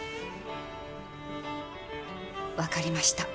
わかりました。